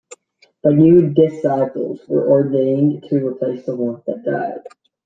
But new disciples were ordained to replace the ones that died.